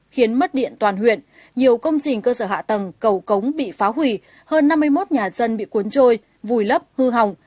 khiến mất điện toàn huyện nhiều công trình cơ sở hạ tầng cầu cống bị phá hủy hơn năm mươi một nhà dân bị cuốn trôi vùi lấp hư hỏng